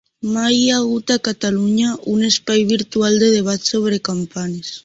Mai hi ha hagut a Catalunya un espai virtual de debat sobre campanes.